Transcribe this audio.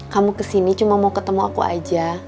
kamu kesini cuma mau ketemu aku aja